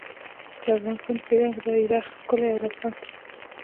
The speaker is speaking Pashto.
د افغانستان درې رنګه بېرغ ښکلی او رپاند دی